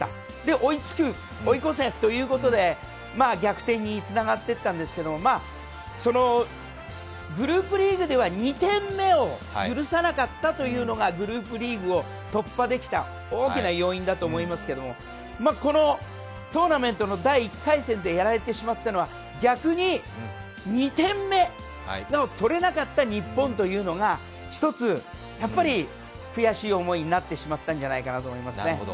追いつく、追い越せということで、逆転につながっていったんですけれどもそのグループリーグでは２点目を許さなかったというのがグループリーグを突破できた大きな要因だと思いますけど、このトーナメントの第１回戦でやられてしまったのは、逆に２点目がとれなかった日本というのが１つ、やっぱり悔しい思いになってしまったんじゃないかなと思いますね。